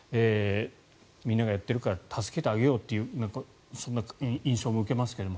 みんながやっているから助けてあげようというそんな印象も受けますけれど。